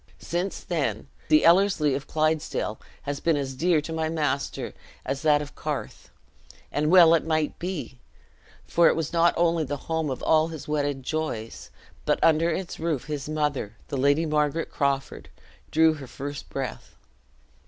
Since then, the Ellerslie of Clydesdale has been as dear to my master as that of the Carth; and well it might be, for it was not only the home of all his wedded joys, but under its roof his mother, the Lady Margaret Crawford, drew her first breath.